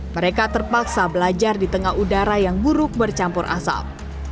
mereka terpaksa belajar di tengah udara yang buruk bercampur asap